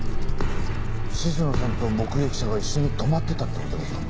静野さんと目撃者が一緒に泊まってたって事ですか？